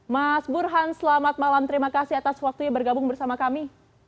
mas burhan selamat malam terima kasih atas waktunya bergabung bersama kami